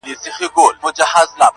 نه اثر وکړ دوا نه تعویذونو-